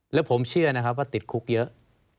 แล้วผมเชื่อนะครับว่าติดคุกเยอะ